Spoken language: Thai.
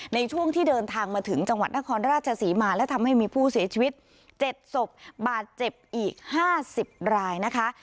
ในช่วงที่เดินทางมาถึงจังหวัดนครราชศรีมาและทำให้มีผู้เสียชีวิต๗ศพบาดเจ็บอีก๕๐รายนะคะ